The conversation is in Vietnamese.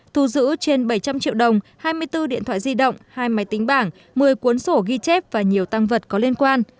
thu giữ trên bảy trăm linh triệu đồng hai mươi bốn điện thoại di động hai máy tính bảng một mươi cuốn sổ ghi chép và nhiều tăng vật có liên quan